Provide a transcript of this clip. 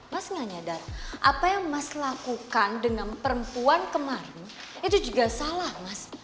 mas gak nyadar apa yang mas lakukan dengan perempuan kemarin itu juga salah mas